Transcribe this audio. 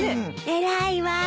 偉いわ。